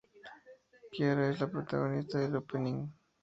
Kiara es la protagonista del opening.